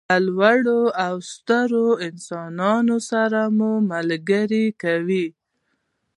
له لوړو او سترو انسانانو سره مو ملګري کوي.